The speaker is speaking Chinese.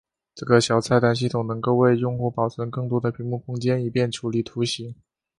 这个小菜单系统能够为用户保存更多的屏幕空间以便处理图形。